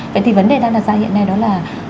vậy thì vấn đề đang đặt ra hiện nay đó là